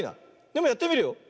でもやってみるよ。